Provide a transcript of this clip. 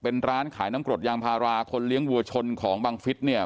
เป็นร้านขายน้ำกรดยางพาราคนเลี้ยงวัวชนของบังฟิศเนี่ย